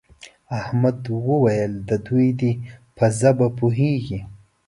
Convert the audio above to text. احمد وویل دوی دې په ژبه پوهېږي.